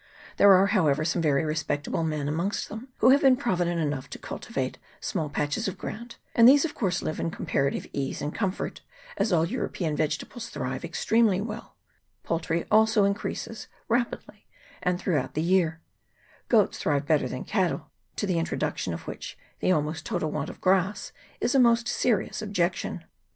There are, however, some very respectable men amongst them, who have been provident enough to cultivate small patches of ground, and these of course live in comparative ease and comfort, as all European vegetables thrive extremely well : poultry also increases rapidly and throughout the year: goats thrive better than cattle, to the introduction of which the almost total want of grass is a most serious objection.